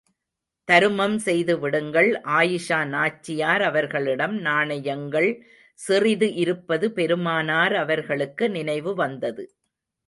தருமம் செய்து விடுங்கள் ஆயிஷா நாச்சியார் அவர்களிடம் நாணயங்கள் சிறிது இருப்பது பெருமானார் அவர்களுக்கு நினைவு வந்தது.